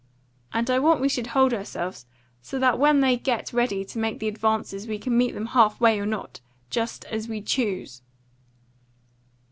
And I want we should hold ourselves so that when they get ready to make the advances we can meet them half way or not, just as we choose."